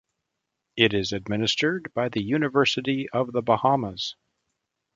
It is administered by the University of the Bahamas.